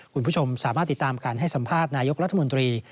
คุณผู้ชมสามารถติดตามการให้สัมภาษณ์นายกรัฐมนตรี